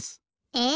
え！